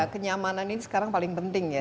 kenyamanan ini sekarang paling penting ya